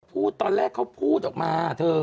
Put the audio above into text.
ตอนแรกเขาพูดออกมาเธอ